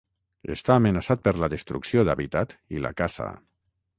Està amenaçat per la destrucció d'hàbitat i la caça.